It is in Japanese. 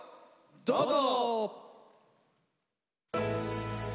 どうぞ！